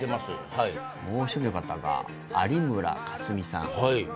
もう一人の方が有村架純さん。